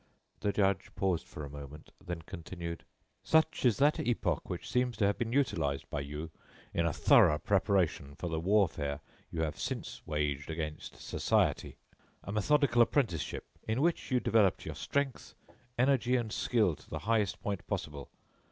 The judge paused for a moment, then continued: "Such is that epoch which seems to have been utilized by you in a thorough preparation for the warfare you have since waged against society; a methodical apprenticeship in which you developed your strength, energy and skill to the highest point possible.